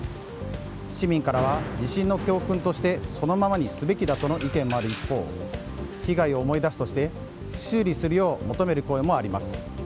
市民からは地震の教訓としてそのままにすべきだとの意見もある一方被害を思い出すとして修理するよう求める声もあります。